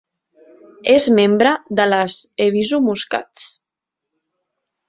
És membre de les Ebisu Muscats.